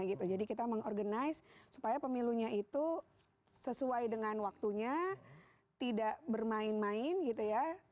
gitu jadi kita mengorganize supaya pemilunya itu sesuai dengan waktunya tidak bermain main gitu ya